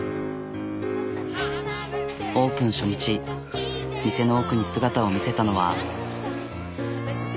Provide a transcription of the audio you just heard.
オープン初日店の奥に姿を見せたのは。